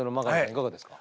いかがですか？